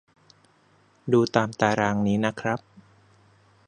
ดูตามตารางนี้ครับ